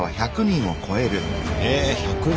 え１００人。